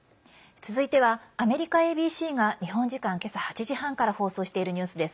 続いてはアメリカＡＢＣが日本時間、今朝８時半から放送しているニュースです。